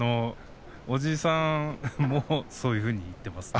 叔父さんも、そういうふうに言っています。